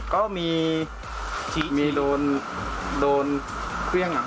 ก็มีโดนเครื่อง